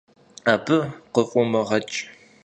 Абы къыфӀумыгъэкӀ.